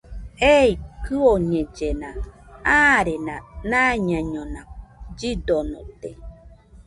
Ei kɨoñellena arena naiñañona llidonote